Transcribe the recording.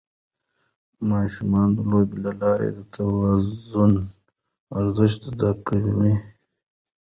ماشومان د لوبو له لارې ټولنیز ارزښتونه زده کوي.